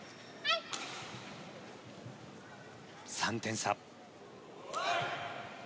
３点差。